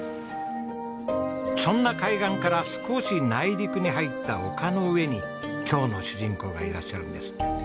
そんな海岸から少し内陸に入った丘の上に今日の主人公がいらっしゃるんです。